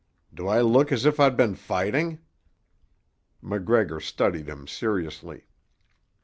Do I look as if I'd been fighting?" MacGregor studied him seriously.